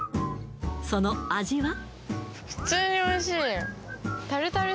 その味は？